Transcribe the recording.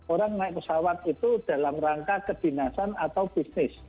orang naik pesawat itu dalam rangka kedinasan atau bisnis